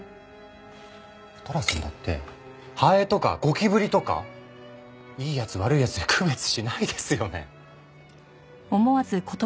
寅さんだってハエとかゴキブリとかいい奴悪い奴で区別しないですよね？